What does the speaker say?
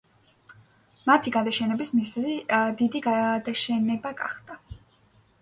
მათი გადაშენების მიზეზი დიდი გადაშენება გახდა.